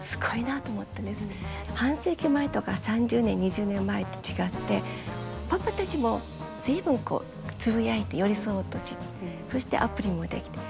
半世紀前とか３０年２０年前と違ってパパたちも随分つぶやいて寄り添おうとしてそしてアプリも出来て。